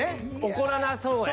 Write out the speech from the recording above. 怒らなそうやし。